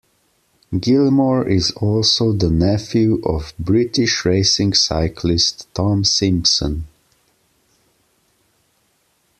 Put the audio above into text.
Gilmore is also the nephew of British racing cyclist Tom Simpson.